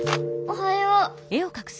おはよう。